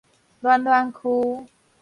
暖暖區